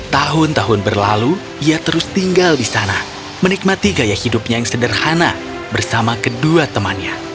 tahun tahun berlalu ia terus tinggal di sana menikmati gaya hidupnya yang sederhana bersama kedua temannya